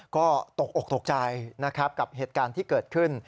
ก็ตกอกตกใจนะครับกับเหตุการณ์ที่เกิดขึ้น